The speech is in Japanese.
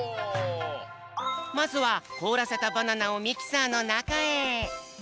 まずはこおらせたバナナをミキサーのなかへ。